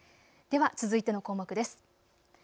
では続いての項目です。